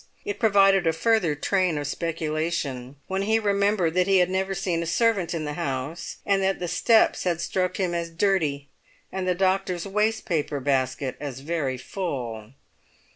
It provided a further train of speculation when he remembered that he had never seen a servant in the house, and that the steps had struck him as dirty, and the doctor's waste paper basket as very full.